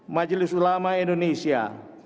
majelis ulama indonesia